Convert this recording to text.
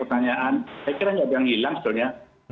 pertanyaan saya kira tidak ada yang hilang sebenarnya